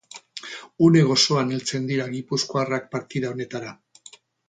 Une gozoan heltzen dira gipuzkoarrak partida honetara.